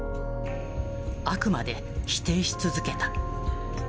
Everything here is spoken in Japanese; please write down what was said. あくまで否定し続けた。